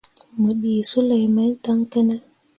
Mo ɗǝǝ soulei mai dan kǝne.